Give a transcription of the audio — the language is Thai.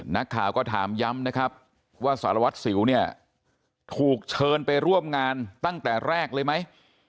นักข่าวก็ถามย้ำนะครับว่าสารวัตรสิวเนี่ยถูกเชิญไปร่วมงานตั้งแต่แรกเลยไหม